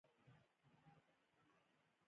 لوی اقتصاد د یو هیواد په ملي کچه اقتصادي مسایل څیړي